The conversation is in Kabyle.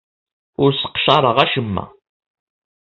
Ur sseqcareɣ acemma.